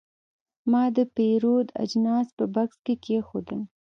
ما د پیرود اجناس په بکس کې کېښودل.